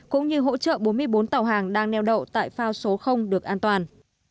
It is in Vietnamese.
cũng như hỗ trợ bốn mươi bốn tàu hàng đang neo đậu tại phao số được an toàn